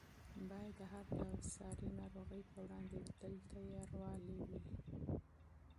باید د هر ډول ساري ناروغۍ په وړاندې تل چمتووالی ولرو.